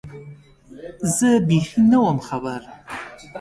زه بېخي نه وم خبر